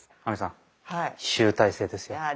亜美さん集大成ですよ。